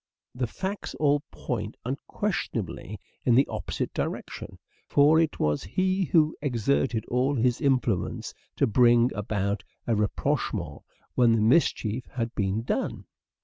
The facts all point unquestionably in the opposite direction : for it was he who exerted all his influence to bring about a rapprochement when the mischief had been done.